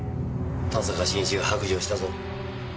田坂晋一が白状したぞ。